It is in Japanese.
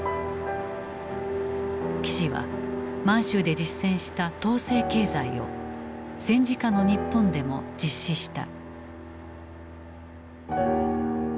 岸は満州で実践した統制経済を戦時下の日本でも実施した。